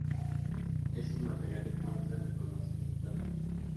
Estos materiales muestran deformaciones plásticas.